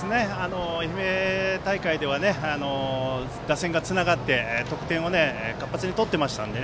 愛媛大会では打線がつながって得点を活発に取っていましたので。